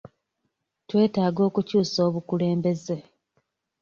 Twetaaga okukyusa obukulembeze.